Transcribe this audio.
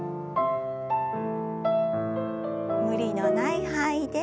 無理のない範囲で。